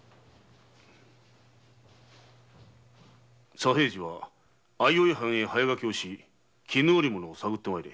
左平次は相生藩へ早駆けをし絹織物を探ってまいれ。